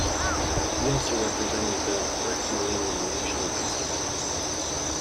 He also represented the Lithuanian national basketball team.